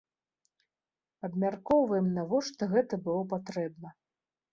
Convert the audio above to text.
Абмяркоўваем, навошта гэта было патрэбна.